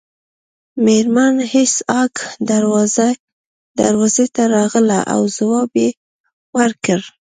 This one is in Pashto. میرمن هیج هاګ دروازې ته راغله او ځواب یې ورکړ